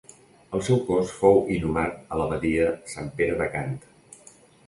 El seu cos fou inhumat a l'abadia Sant Pere de Gant.